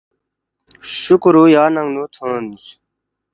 شُکرُ یا ننگنو تھونس